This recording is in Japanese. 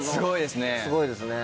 すごいですね。